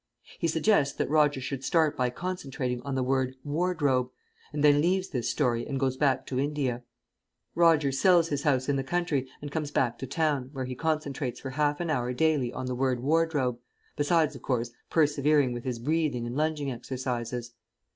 He suggests that Roger should start by concentrating on the word "wardrobe," and then leaves this story and goes back to India. Roger sells his house in the country and comes back to town, where he concentrates for half an hour daily on the word "wardrobe," besides, of course, persevering with his breathing and lunging exercises.